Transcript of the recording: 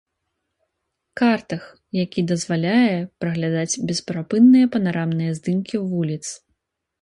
Картах, які дазваляе праглядаць бесперапынныя панарамныя здымкі вуліц.